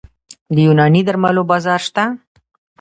د یوناني درملو بازار شته؟